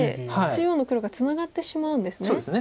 中央の黒がツナがってしまうんですね。